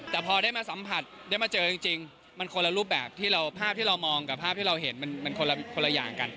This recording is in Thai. แต่พอได้มาสัมผัสได้มาเจอจริงมันคนละรูปแบบที่เราภาพที่เรามองกับภาพที่เราเห็นมันคนละอย่างกัน